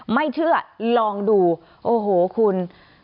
ไม่เชื่อลองดูโอ้โหคุณ